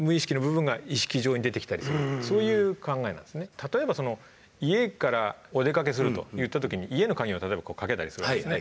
例えば、家からお出かけするといったときに家の鍵を例えば、こうかけたりするわけですね。